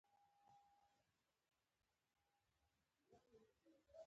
متل: زه که د صحرا لوټه هم یم